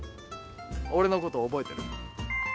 俺の事覚えてる？